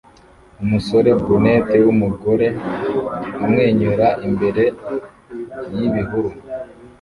Umusore brunette wumugore amwenyura imbere yibihuru